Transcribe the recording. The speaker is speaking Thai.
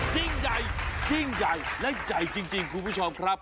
จริงใหญ่จริงใหญ่และใจจริงครูผู้ชมครับ